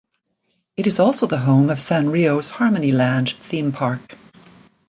It is also the home of Sanrio's Harmonyland theme park.